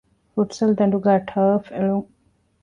ފުޓްސަލްދަނޑުގައި ޓަރފް އެޅުން